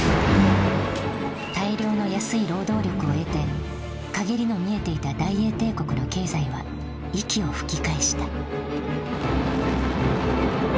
大量の安い労働力を得て陰りの見えていた大英帝国の経済は息を吹き返した。